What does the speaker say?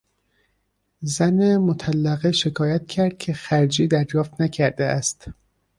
زن مطلقه شکایت کرد که خرجی دریافت نکرده است.